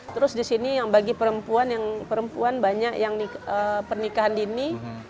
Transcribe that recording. terus di sini yang bagi perempuan yang perempuan banyak yang pernikahan dini